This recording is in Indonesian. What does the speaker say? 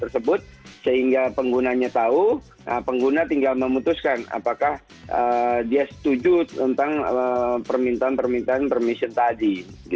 sehingga penggunanya tahu pengguna tinggal memutuskan apakah dia setuju tentang permintaan permintaan permission tadi